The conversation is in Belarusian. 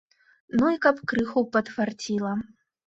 Ну і каб крыху падфарціла.